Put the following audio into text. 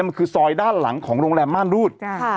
มันคือซอยด้านหลังของโรงแรมม่านรูด